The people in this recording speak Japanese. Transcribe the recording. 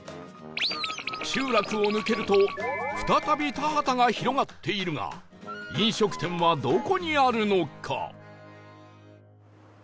集落を抜けると再び田畑が広がっているが飲食店はどこにあるのか？